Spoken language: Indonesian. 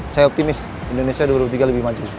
saya optimis indonesia dua ribu tiga lebih maju